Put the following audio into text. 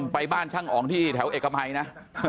ไปบ้านช่างอ๋องที่แถวเอกมัยนะ